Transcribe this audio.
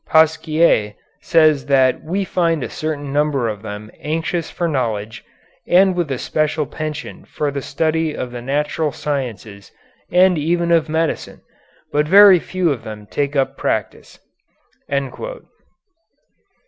Pasquier says that we find a certain number of them anxious for knowledge and with a special penchant for the study of the natural sciences and even of medicine, but very few of them take up practice."